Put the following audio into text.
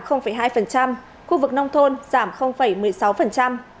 khu vực nông thôn giảm một mươi sáu